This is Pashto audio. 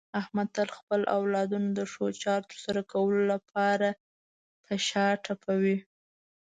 احمد تل خپل اولادونو د ښو چارو د ترسره کولو لپاره په شا ټپوي.